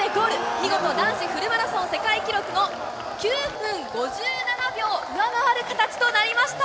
見事、男子フルマラソン世界記録の９分５７秒を上回る形となりました。